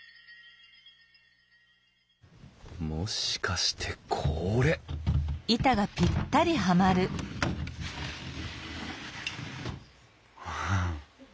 もしかしてこれははん。